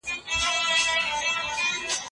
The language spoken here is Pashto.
د سياست د لارې ټولنيزې پرېکړې تنظيمېږي.